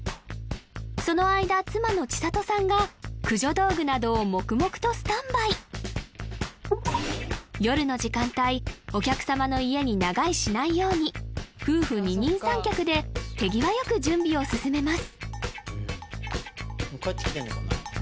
その間妻の千沙都さんが駆除道具などを黙々とスタンバイ夜の時間帯お客様の家に長居しないように夫婦二人三脚で手際よく準備を進めます